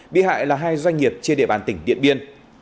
bị hại là hai doanh nghiệp trên địa bàn tỉnh điện biên